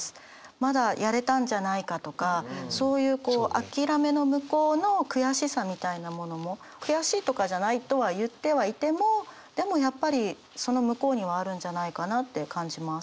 まだやれたんじゃないかとかそういうこう諦めの向こうの悔しさみたいなものも悔しいとかじゃないとは言ってはいてもでもやっぱりその向こうにはあるんじゃないかなって感じます。